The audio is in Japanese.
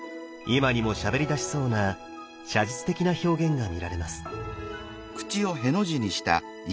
今にもしゃべりだしそうな写実的な表現が見られます。